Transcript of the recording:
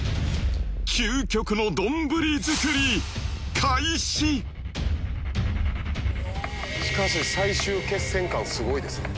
究極の丼作り開始しかし最終決戦感すごいですね